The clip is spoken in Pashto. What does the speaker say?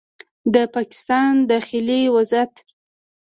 د پاکستان داخلي وضعیت